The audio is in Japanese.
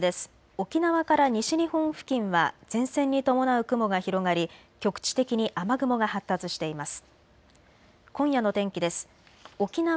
沖縄から西日本付近は前線に伴う雲が広がり局地的に雨雲が発達しています。